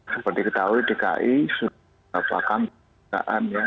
seperti kita tahu dki sudah melakukan perbincangan ya